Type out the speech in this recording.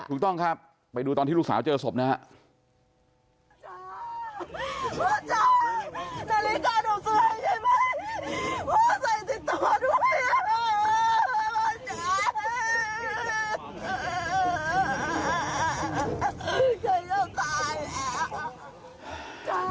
ถูกต้องครับไปดูตอนที่ลูกสาวเจอศพนะครับ